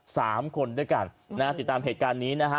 สามคนด้วยกันนะฮะติดตามเหตุการณ์นี้นะฮะ